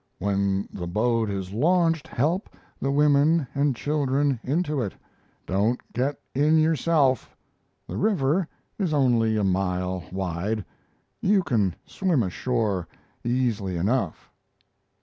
When the boat is launched, help the women and children into it. Don't get in yourself. The river is only a mile wide. You can swim ashore easily enough."